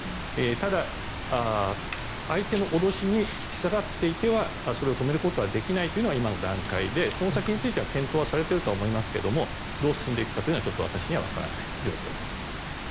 ただ、相手の脅しにしたがっていてはそれを止めることができないというのが今の段階でその先については検討されているとは思いますがどう進んでいくかは、ちょっと私にはわからない状況です。